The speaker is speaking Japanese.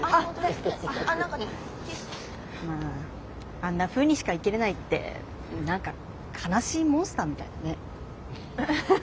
まああんなふうにしか生きれないって何か悲しいモンスターみたいだね。